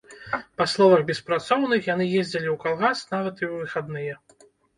Па словах беспрацоўных, яны ездзілі ў калгас нават і ў выхадныя.